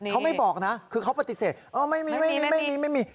เขาไม่บอกนะคือเขาปฏิเสธไม่มีไม่มี